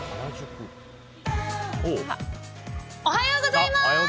おはようございます！